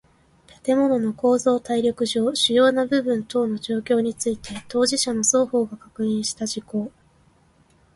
建物の構造耐力上主要な部分等の状況について当事者の双方が確認した事項